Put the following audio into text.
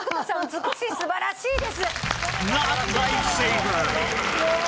美しい素晴らしいです！